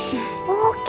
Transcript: oh itu lengket lemnya